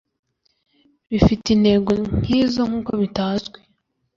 bifite intego nk izo nk uko bitazwi